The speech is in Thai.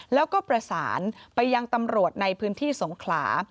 แล้วก็ประสานไปยังตำรวจในพื้นที่สงขลา